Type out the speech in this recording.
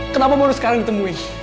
kenapa baru sekarang ditemuin